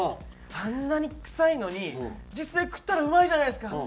あんなに臭いのに実際食ったらうまいじゃないですか。